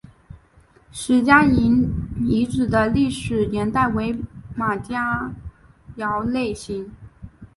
石家营遗址的历史年代为马家窑类型。